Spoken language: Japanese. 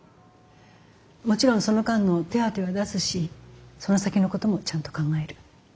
もちろんその間の手当は出すしその先のこともちゃんと考える。